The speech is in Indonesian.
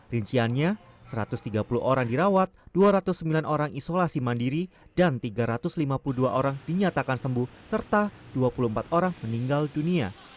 rinciannya satu ratus tiga puluh orang dirawat dua ratus sembilan orang isolasi mandiri dan tiga ratus lima puluh dua orang dinyatakan sembuh serta dua puluh empat orang meninggal dunia